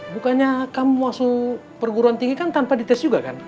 bukannya kamu masuk perguruan tinggi kan tanpa dites juga kan